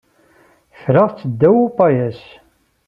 Ffreɣ-tt ddaw upayaṣ.